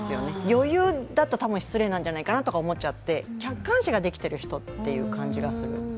余裕という言葉だと失礼なんじゃないかなと思っちゃって、客観視できてる人って感じがする。